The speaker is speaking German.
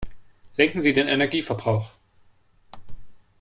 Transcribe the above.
Senken Sie den Energieverbrauch!